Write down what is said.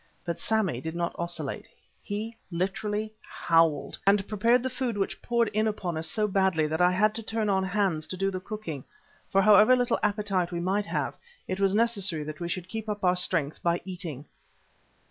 But Sammy did not oscillate, he literally howled, and prepared the food which poured in upon us so badly that I had to turn on Hans to do the cooking, for however little appetite we might have, it was necessary that we should keep up our strength by eating.